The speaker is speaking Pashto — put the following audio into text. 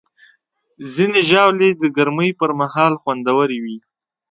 ځینې ژاولې د ګرمۍ پر مهال خوندورې وي.